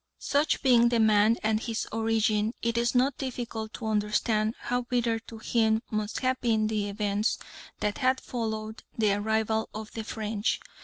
Such being the man and his origin, it is not difficult to understand how bitter to him must have been the events that had followed the arrival of the French.